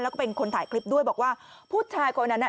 แล้วก็เป็นคนถ่ายคลิปด้วยบอกว่าผู้ชายคนนั้นน่ะ